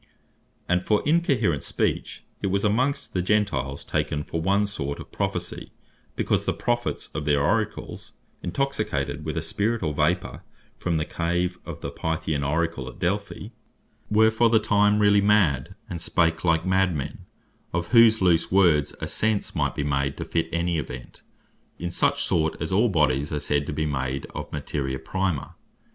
And for Incoherent Speech, it was amongst the Gentiles taken for one sort of Prophecy, because the Prophets of their Oracles, intoxicated with a spirit, or vapour from the cave of the Pythian Oracle at Delphi, were for the time really mad, and spake like mad men; of whose loose words a sense might be made to fit any event, in such sort, as all bodies are said to be made of Materia prima.